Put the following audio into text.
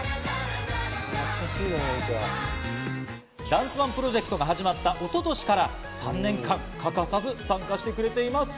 ダンスＯＮＥプロジェクトが始まった一昨年から３年間欠かさず参加してくれています。